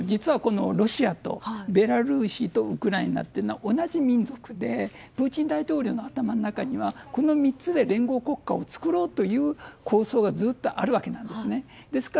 ロシアとベラルーシとウクライナは同じ民族でプーチン大統領の頭の中にはこの３つで連合国家を作ろうという構想がずっとあるわけなんですね。